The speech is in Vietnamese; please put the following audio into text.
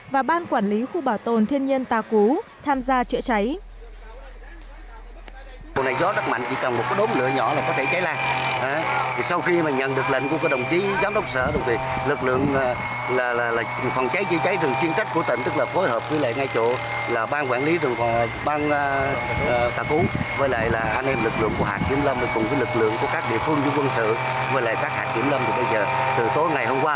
và ban quản lý khu bảo tồn thiên nhiên tà cú tham gia chữa cháy